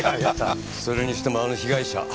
それにしてもあの被害者。